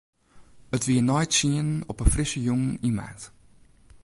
It wie nei tsienen op in frisse jûn yn maart.